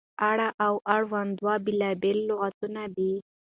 اړه او اړوند دوه بېلابېل لغتونه دي.